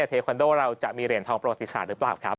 เทควันโดเราจะมีเหรียญทองโปรติศาสตร์หรือเปล่า